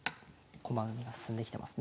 駒組みが進んできてますね。